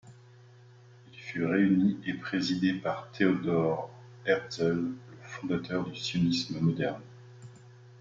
Il fut réuni et présidé par Theodor Herzl, le fondateur du sionisme moderne.